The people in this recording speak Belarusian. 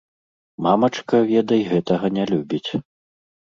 Мамачка, ведай, гэтага не любіць.